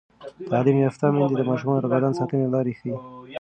تعلیم یافته میندې د ماشومانو د بدن ساتنې لارې ښيي.